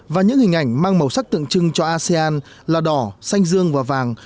và những hình ảnh mang màu sắc tượng trưng cho asean là đỏ xanh dương và vàng